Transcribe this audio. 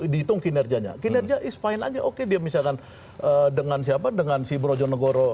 dihitung kinerjanya kinerja is fine aja oke dia misalkan dengan siapa dengan si brojonegoro